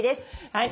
はい。